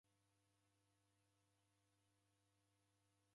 Obara igunia